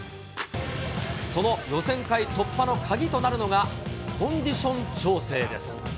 その予選会突破の鍵となるのが、コンディション調整です。